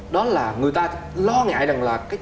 đó là người ta lo ngại rằng là